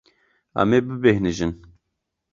Em ê bibêhnijin.